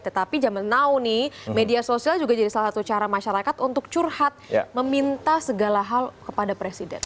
tetapi zaman now nih media sosial juga jadi salah satu cara masyarakat untuk curhat meminta segala hal kepada presiden